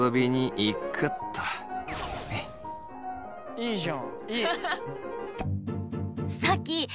いいじゃんいい。